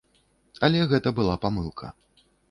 Але гэта была памылка.